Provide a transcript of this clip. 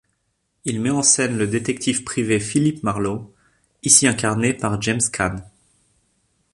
Il met en scène le détective privé Philip Marlowe ici incarné par James Caan.